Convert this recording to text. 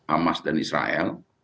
amas dan israel